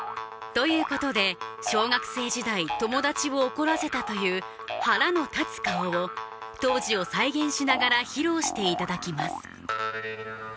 ということで小学生時代友達を怒らせたという腹の立つ顔を当時を再現しながら披露していただきます